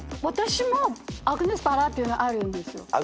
私もアグネスバラっていうのあるんですよ。